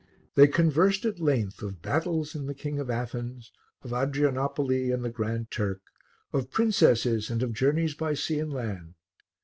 They conversed at length of battles and the King of Athens, of Adrianopoli and the Grand Turk, of princesses and of journeys by sea and land.